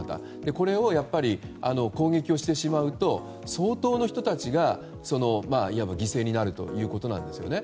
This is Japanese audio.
これに攻撃をしてしまうと相当の人たちがいわば犠牲になるということなんですよね。